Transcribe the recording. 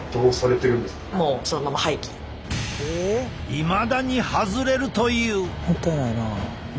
いまだに外れるという。